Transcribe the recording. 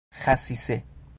خصیصه